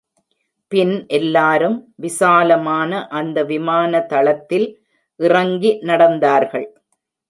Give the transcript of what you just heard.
பின் எல்லாரும் விசாலமான அந்த விமானதளத்தில் இறங்கி நடந்தார்கள்.